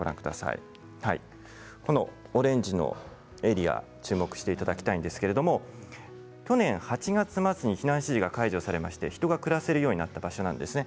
このオレンジのエリア注目していただきたいんですけれど去年８月末に避難指示が解除されて人が暮らせるようになった場所なんですね。